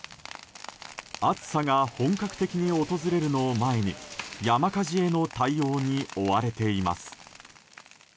暑さが本格的に訪れるのを前に山火事への対応に追われています。